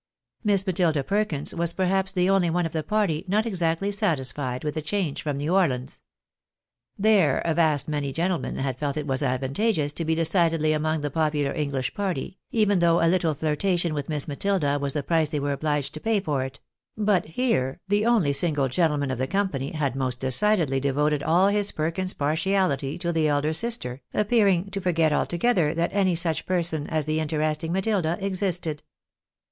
]\Iiss i\Iatilda Per kins was perhaps the only one of the party not exactly satisfied with the change from New Orleans. There a va ^t many gentlemen had felt it was advantageous to be decidedly among the popular Enghsh party, even though a little flirtation with Iiliss Matilda was the price they were obliged to pay for it ; but here the only single gentleman of the company had most decidedly devoted all his Per kins's partiality to the elder sister, appearing to forget altogether that any such person as the interesting Matilda existed.